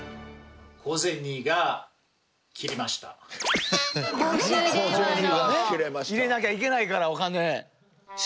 公衆電話の。入れなきゃいけないからお金。